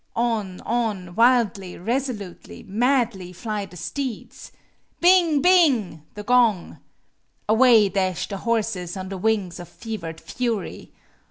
On, on, wildly, resolutely, madly fly the steeds. Bing! Bing! the gong. Away dash the horses on the wings of fevered fury.